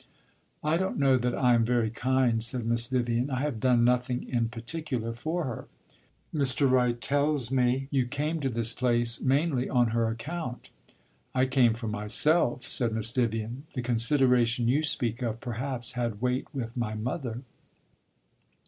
"I don't know that I am very kind," said Miss Vivian. "I have done nothing in particular for her." "Mr. Wright tells me you came to this place mainly on her account." "I came for myself," said Miss Vivian. "The consideration you speak of perhaps had weight with my mother."